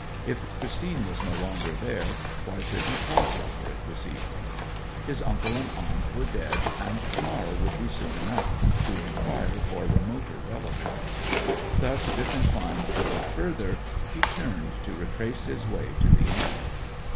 If Christine was no longer there, why should he pause over it this evening? His uncle and aunt were dead, and to morrow would be soon enough to inquire for remoter relatives. Thus, disinclined to go further, he turned to retrace his way to the inn.